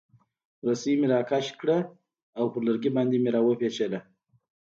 رسۍ مې راکش کړه او پر لرګي باندې مې را وپیچله.